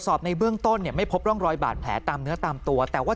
ในเบื้องต้นเนี่ยไม่พบร่องรอยบาดแผลตามเนื้อตามตัวแต่ว่า